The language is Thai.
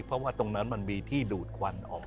เพราะว่าตรงนั้นมันมีที่ดูดควันออก